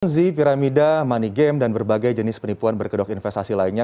z piramida money game dan berbagai jenis penipuan berkedok investasi lainnya